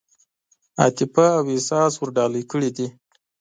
عاطفه او احساس ورډالۍ کړي دي.